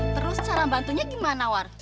terus cara bantunya gimana war